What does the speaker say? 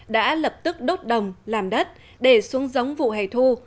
đã lập tức đốt đồng làm đất để xuống giống vụ hè thu